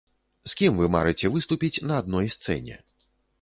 З кім вы марыце выступіць на адной сцэне?